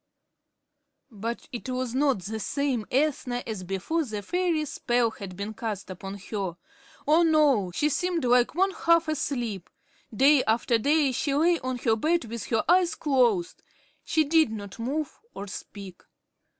But it was not the same Ethna as before the fairy spell had been cast upon her. Oh, no! She seemed like one half asleep. Day after day she lay on her bed with her eyes closed. She did not move or speak.